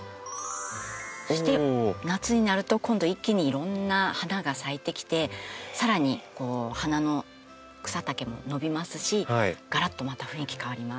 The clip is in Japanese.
そして夏になると今度は一気にいろんな花が咲いてきてさらに花の草丈も伸びますしがらっとまた雰囲気変わります。